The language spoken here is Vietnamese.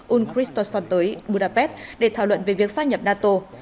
ún christoph stoltenberg tới budapest để thảo luận về việc gia nhập nato